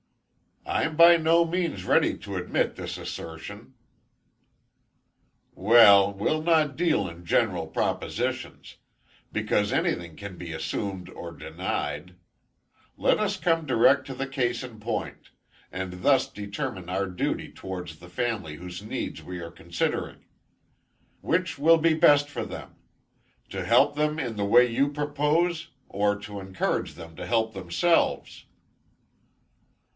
"I'm by no means ready to admit this assertion." "Well, we'll not deal in general propositions; because anything can be assumed or denied. Let us come direct to the case in point, and thus determine our duty towards the family whose needs we are considering. Which will be best for them? To help them in the way you propose, or to encourage them to help themselves?"